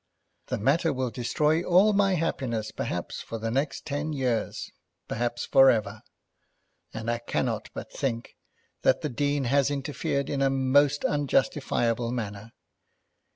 The matter will destroy all my happiness perhaps for the next ten years; perhaps for ever. And I cannot but think that the Dean has interfered in a most unjustifiable manner.